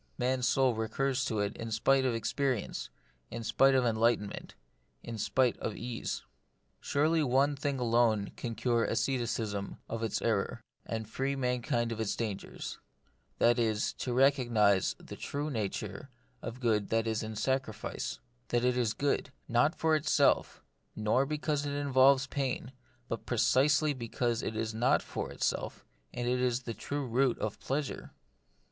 Man's soul recurs to it in spite of experience, in spite of enlightenment, in spite of ease. Surely one thing alone can cure asceticism of its error, and free mankind from its dangers ; and that is, to recognise the true nature of the good that is in sacrifice ; that it is good, not for itself, nor because it involves pain, but pre cisely because it is not for itself, and is the true root of pleasure.